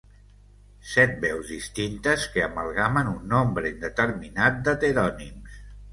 Set veus distintes que amalgamen un nombre indeterminat d'heterònims.